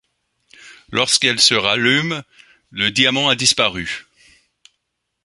Lorsqu'elles se rallument, le diamant a disparu.